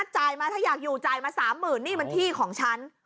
จ่ายมาถ้าอยากอยู่จ่ายมา๓๐๐๐นี่มันที่ของฉัน